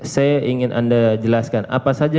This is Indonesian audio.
saya ingin anda jelaskan apa saja